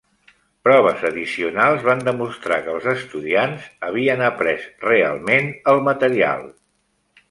Proves addicionals van demostrar que els estudiants havien après realment el material.